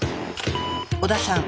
織田さん